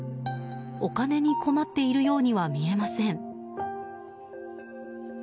お金に困っているようには見えません。